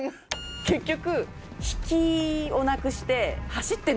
結局。